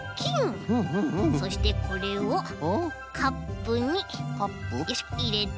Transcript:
そしてこれをカップによいしょいれて。